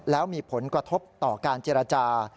แล้วมีผลกระทบต่อการเจรจา